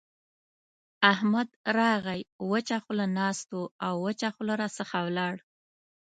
احمد راغی؛ وچه خوله ناست وو او وچه خوله راڅخه ولاړ.